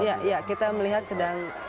iya iya kita melihat sedang